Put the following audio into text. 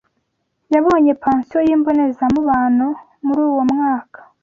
Yabonye pansiyo y’imbonezamubano muri uwo mwaka